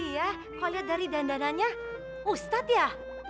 iya kalau lihat dari dandanannya ustadz ya